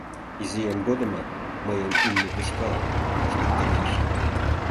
Изиэм годымак мыйым имне тӱшкалан тошкыктынеже ыле...